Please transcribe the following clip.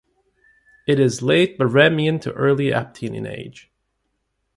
It is late Barremian to early Aptian in age.